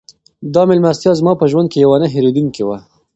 دا مېلمستیا زما په ژوند کې یوه نه هېرېدونکې وه.